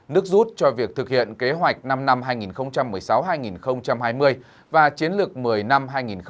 nước rút cho việc thực hiện kế hoạch năm năm hai nghìn một mươi sáu hai nghìn hai mươi và chiến lược một mươi năm hai nghìn một mươi một hai nghìn hai mươi